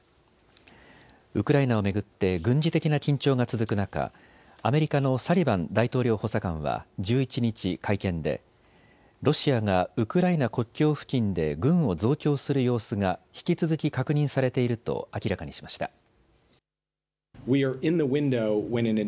ウクライナを巡って軍事的な緊張が続く中、アメリカのサリバン大統領補佐官は１１日、会見でロシアがウクライナ国境付近で軍を増強する様子が引き続き確認されていると明らかにしました。